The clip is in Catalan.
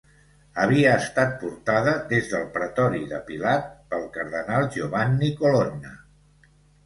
Havia estat portada des del pretori de Pilat pel cardenal Giovanni Colonna.